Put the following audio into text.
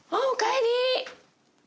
おかえり。